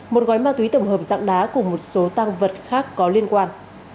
một gói ma túy tổng hợp dạng đá cùng một số tăng vật khác có liên quan